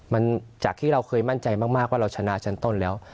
มันจากที่เราเคยมั่นใจมากว่าเราชนะชั้นต้นแล้ว